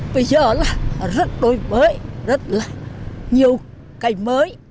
bây giờ là rất đôi mới rất là nhiều cái mới